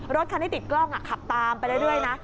รถคันที่ติดกล้องขับตามไปเรื่อยนะ